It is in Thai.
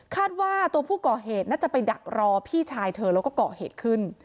ว่าตัวผู้ก่อเหตุน่าจะไปดักรอพี่ชายเธอแล้วก็ก่อเหตุขึ้น